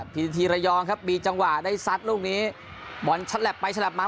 พิธีทีระยองครับมีจังหวะได้ซัดลูกนี้บอลชัดแหลบไปฉลับมา